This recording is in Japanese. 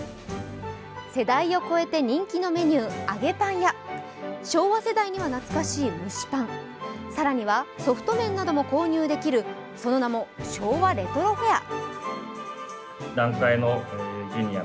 世代を超えて人気のメニュー、あげぱんや昭和世代には懐かしい蒸しパン、更にはソフトめんなども購入できるその名も昭和レトロフェア。